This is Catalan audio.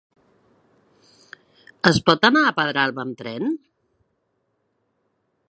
Es pot anar a Pedralba amb tren?